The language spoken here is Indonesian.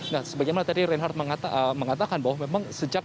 nah sebagaimana tadi reinhardt mengatakan bahwa memang sejak